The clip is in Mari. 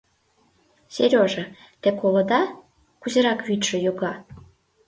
— Сережа, те колыда, кузерак вӱдшӧ йога?